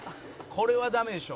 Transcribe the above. これはダメでしょ」